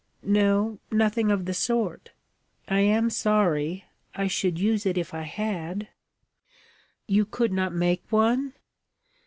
'No, nothing of the sort. I am sorry. I should use it if I had.' 'You could not make one?'